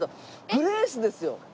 グレイスですよ。